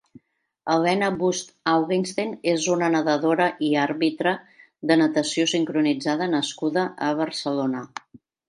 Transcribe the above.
Helena Wüst Augenstein és una nedadora i àrbitra de natació sincronitzada nascuda a Barcelona.